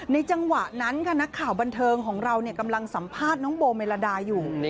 จังหวะนั้นค่ะนักข่าวบันเทิงของเรากำลังสัมภาษณ์น้องโบเมลาดาอยู่